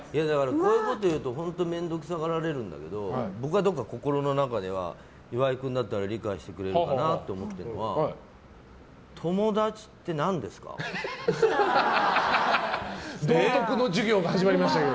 こんなこと言うと本当面倒くさがられるんだけど僕はどこか心の中では岩井君だったら理解してくれるかなと思ってるのが道徳の授業が始まりましたけど。